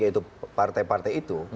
yaitu partai partai itu